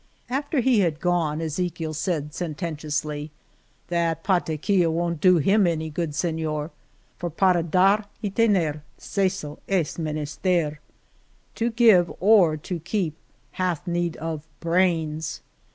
After he had gone Ezechiel said, senten tiously :That pataquilla won't do him any good, senor, for para dar y tener, seso es menesterr To give or to keep hath need of brains.